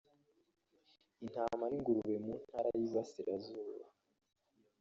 intama n’ ingurube mu ntara y’iburasizuba